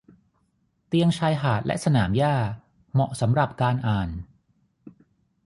เตียงชายหาดและสนามหญ้าเหมาะสำหรับการอ่าน